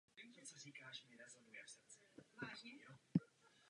Drží se spíše v nižších nadmořských výškách.